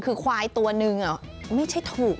คือควายตัวนึงไม่ใช่ถูก